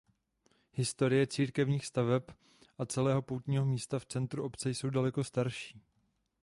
Historie církevních staveb a celého poutního místa v centru obce jsou daleko starší.